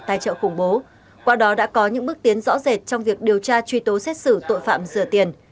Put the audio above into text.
tài trợ khủng bố qua đó đã có những bước tiến rõ rệt trong việc điều tra truy tố xét xử tội phạm rửa tiền